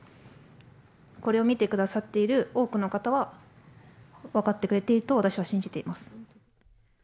これを見てくださっている多くの方は分かってくれていると私は信じています。